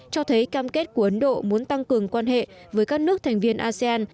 cho thấy cam kết của ấn độ muốn tăng cường quan hệ với các nước thành viên asean